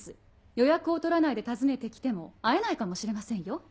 予約をとらないで訪ねてきても会えないかもしれませんよ。